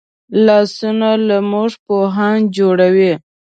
لاسونه له موږ پوهان جوړوي